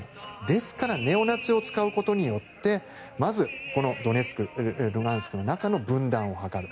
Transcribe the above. ですからネオナチを使うことによってまずドネツク、ルガンスクの中の分断を図る。